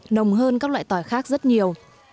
nồng hơn các loại tỏi khác rất nhiều